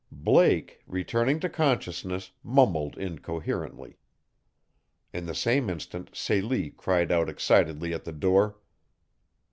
Blake, returning to consciousness, mumbled incoherently. In the same instant Celie cried out excitedly at the door.